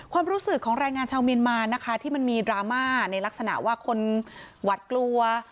ความรู้สึกของแรงงานชาวเมียนมานะคะที่มันมีดราม่าในลักษณะว่าคนหวัดกลัว